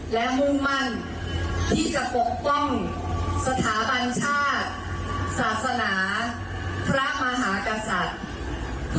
และมุ่งมั่นที่จะปกป้องสถาบันชาติศาสนาพระมหากษัตริย์